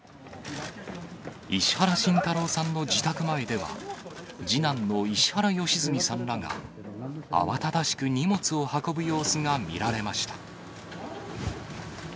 石原慎太郎さんの自宅前では、次男の石原良純さんらが慌ただしく荷物を運ぶ様子が見られました。